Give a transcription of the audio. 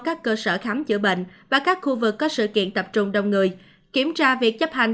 các cơ sở khám chữa bệnh và các khu vực có sự kiện tập trung đông người kiểm tra việc chấp hành